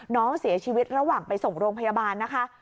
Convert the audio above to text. น้องเสียชีวิตระหว่างไปส่งโรงพยาบาลนะคะ